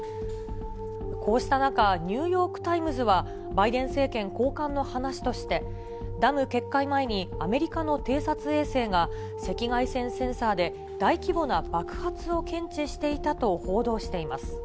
こうした中、ニューヨーク・タイムズは、バイデン政権高官の話として、ダム決壊前にアメリカの偵察衛星が赤外線センサーで大規模な爆発を検知していたと報道しています。